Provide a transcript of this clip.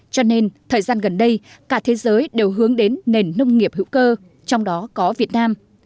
cho nên thời gian gần đây cả thế giới đều hướng đến nền nông nghiệp hữu cơ trong đó có việt nam